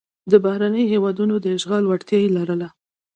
د بهرنیو هېوادونو د اشغال وړتیا یې لرله.